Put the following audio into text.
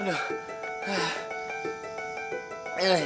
duh duh duh